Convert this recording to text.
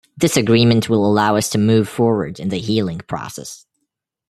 This agreement will allow us to move forward in the healing process.